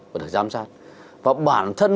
và được giám sát và bản thân